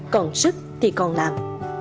còn sức thì còn làm